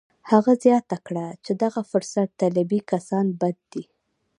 هغه زیاته کړه چې دغه فرصت طلبي کسان بد دي